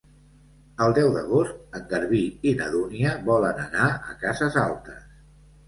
El deu d'agost en Garbí i na Dúnia volen anar a Cases Altes.